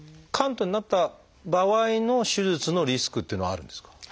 嵌頓になった場合の手術のリスクっていうのはあるんですか？